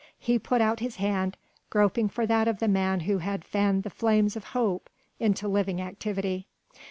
He put out his hand, groping for that of the man who had fanned the flames of hope into living activity.